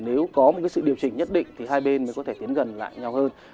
nếu có một sự điều chỉnh nhất định thì hai bên mới có thể tiến gần lại nhau hơn